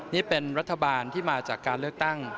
นี่เป็นรัฐบาลที่มาจากการเลือกตั้ง